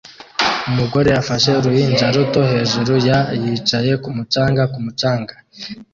Umugore afashe uruhinja ruto hejuru ya yicaye kumu canga ku mucanga